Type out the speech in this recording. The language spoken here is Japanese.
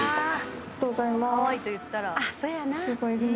ありがとうございます。